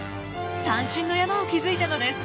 三振の山を築いたのです。